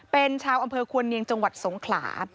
เป็นชาวอำเภอควรเนียงจังหวัดสงขลา